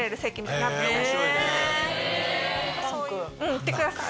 行ってください。